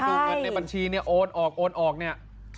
เงินในบัญชีเนี่ยโอนออกโอนออกเนี่ย